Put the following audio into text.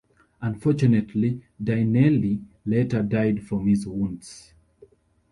Unfortunately Dyneley later died from his wounds.